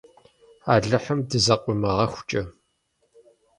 Алыхьым дызэкъуимыгъэхукӏэ!